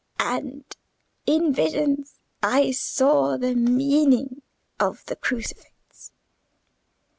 And in visions I saw the meaning of the Crucifix."